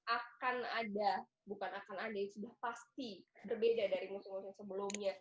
akan ada bukan akan ada yang sudah pasti berbeda dari musim musim sebelumnya